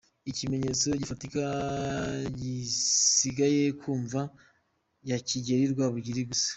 Ikimenyetso gifatika gisigaye ku mva ya Kigeli Rwabugiri gusa.